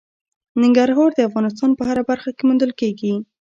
ننګرهار د افغانستان په هره برخه کې موندل کېږي.